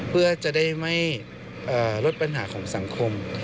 เพื่อจะได้ไม่ลดปัญหาของสังคม